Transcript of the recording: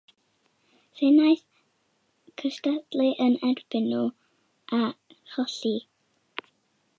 Fe wnaeth gystadlu yn eu herbyn nhw, a cholli.